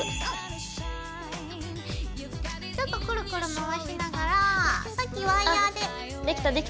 ちょっとくるくる回しながらさっきワイヤーで。